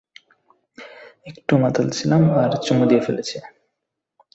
একটু মাতাল ছিলাম আর চুমু দিয়ে ফেলেছি।